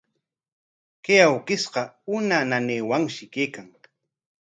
Chay awkishqa uma nanaywanshi kaykan.